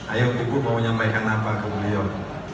ayo ibu mau nyampaikan apa ke beliau